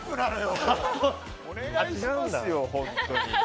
お願いしますよ、本当に。